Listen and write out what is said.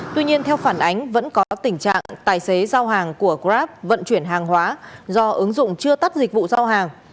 tuy nhiên theo phản ánh vẫn có tình trạng tài xế giao hàng của grab vận chuyển hàng hóa do ứng dụng chưa tắt dịch vụ giao hàng